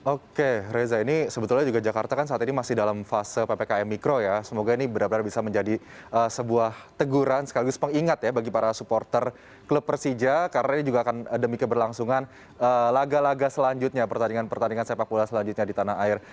oke reza ini sebetulnya juga jakarta kan saat ini masih dalam fase ppkm mikro ya semoga ini benar benar bisa menjadi sebuah teguran sekaligus pengingat ya bagi para supporter klub persija karena ini juga akan demi keberlangsungan laga laga selanjutnya pertandingan pertandingan sepak bola selanjutnya di tanah air